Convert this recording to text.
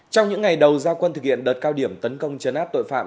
trong những ngày đầu gia quân thực hiện đợt cao điểm tấn công chấn áp tội phạm